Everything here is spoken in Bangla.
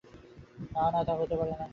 না, না, তা হতে পারে না।